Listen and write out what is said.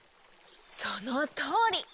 そのとおり。